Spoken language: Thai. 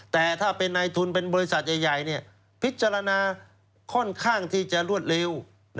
แต่ถ้าเป็นในทุนเป็นบริษัทใหญ่พิจารณาค่อนข้างที่จะรวดเร็ว